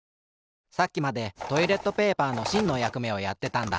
さっきまでトイレットペーパーのしんのやくめをやってたんだ。